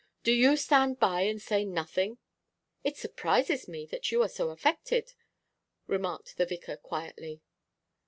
Do you stand by and say nothing?' 'It surprises me that you are so affected,' remarked the vicar quietly.